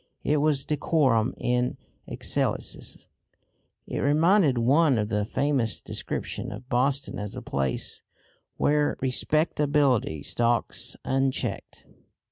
It was decorum in excelsis. It reminded one of the famous description of Boston as the place "where respectability stalks unchecked."